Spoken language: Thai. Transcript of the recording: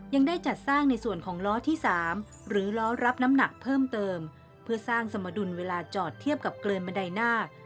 ยังได้จัดสร้างในส่วนของล้อที่๓หรือล้อรับน้ำหนักเพิ่มเติมเพื่อสร้างสมดุลเวลาจอดเทียบกับเกลือนบันไดหน้า